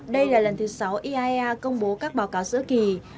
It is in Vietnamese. đây là lần thứ sáu iaea công bố các báo cáo giữa kỳ